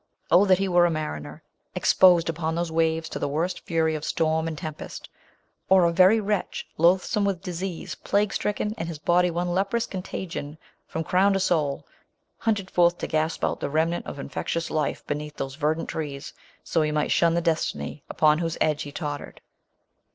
Oh, that he were a mariner, exposed upon those waves to the worst tury of storm and tempest ; or a very wretch, loathsome with disease, plague stricken, and his body one leprous contagion from crown to sole, hunted forth to gasp out the remnant of infectious life be neath those verdant trees, so he might shun the destiny upon whose edge he tottered